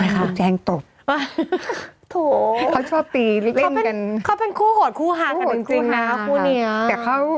โถแจงตบเค้าชอบปีเล่นกันเค้าเป็นคู่หดคู่หารแล้วจริงนะคะ